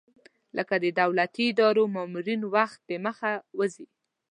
لکه د دولتي ادارو مامورین وخت دمخه وځي.